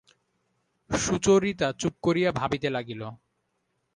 সুচরিতা চুপ করিয়া ভাবিতে লাগিল।